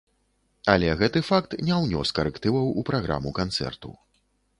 Але гэты факт не ўнёс карэктываў у праграму канцэрту.